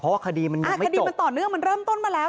อ่าคดีมันต่อเนื่องมันเริ่มต้นมาแล้ว